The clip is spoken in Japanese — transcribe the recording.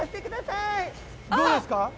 どうですか？